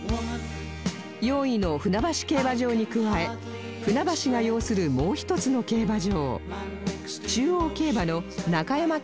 ４位の船橋競馬場に加え船橋が擁するもう一つの競馬場中央競馬の中山